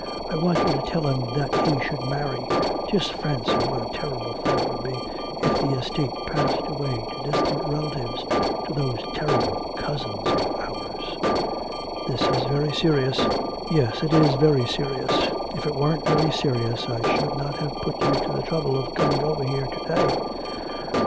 I want you to tell him that he should marry. Just fancy what a terrible thing it would be if the estate passed away to distant relatives to those terrible cousins of ours.' 'This is very serious.' 'Yes, it is very serious. If it weren't very serious I should not have put you to the trouble of coming over here to day.'